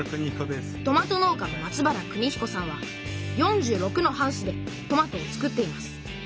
トマト農家の松原邦彦さんは４６のハウスでトマトを作っています。